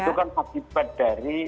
itu kan akibat dari